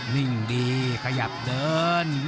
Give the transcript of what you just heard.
วิ่งดีขยับเดิน